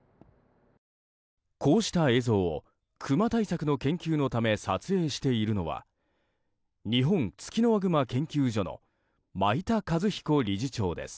こうした映像を、クマ対策の研究のため撮影しているのは日本ツキノワグマ研究所の米田一彦理事長です。